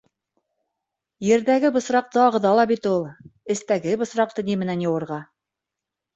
Ерҙәге бысраҡты ағыҙа ла бит ул, эстәге бысраҡты ни менән йыуырға?!